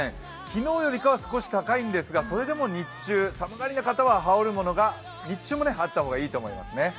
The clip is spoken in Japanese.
昨日よりかは少し高いんですがそれでも日中、寒がりな方は羽織るものが日中もあった方がいいですね。